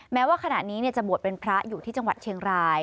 แม้ว่าขณะนี้จะบวชเป็นพระอยู่ที่จังหวัดเชียงราย